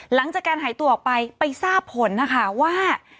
หลังจากการหายตัวออกไปไปทราบผลนะคะว่า